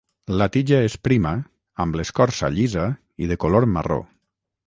La tija és prima, amb l'escorça llisa i de color marró.